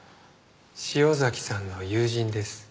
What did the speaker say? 潮崎さんの友人です。